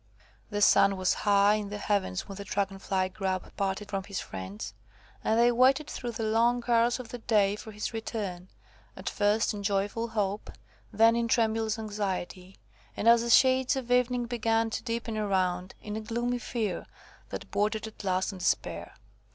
The sun was high in the heavens when the dragon fly Grub parted from his friends, and they waited through the long hours of the day for his return; at first, in joyful hope, then in tremulous anxiety, and, as the shades of evening began to deepen around, in a gloomy fear, that bordered at last on despair.